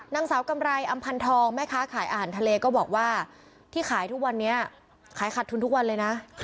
นางสาวกำไรอำพันธองแม่ค้าขายอาหารทะเลก็บอกว่าที่ขายทุกวันนี้ขายขาดทุนทุกวันเลยนะ